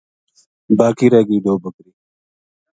باقی رہ گئی دو بکری